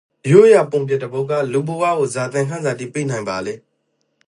ရိုးရာပုံပြင်တစ်ပုဒ်ကလူ့ဘဝကိုဇာသင်ခန်းစာတိ ပီးနိုင်ပါလဲ?